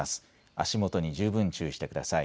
足元に十分注意してください。